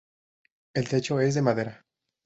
El techo es de madera.